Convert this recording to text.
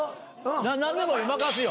何でもいい任すよ。